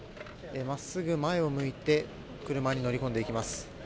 真っすぐ前を向いて車に乗り込みます」